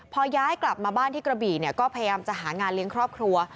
พอย้ายกลับมาบ้านที่กระบี่ก็พยายามจะหางานเลี้ยงครอบครัว